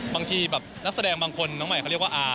บางทีแบบนักแสดงบางคนน้องใหม่เขาเรียกว่าอา